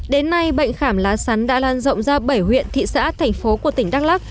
đến nay bệnh khảm lá sắn đã lan rộng ra bảy huyện thị xã thành phố của tỉnh đắk lắc